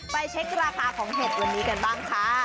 เช็คราคาของเห็ดวันนี้กันบ้างค่ะ